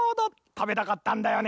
たべたかったんだよねえ。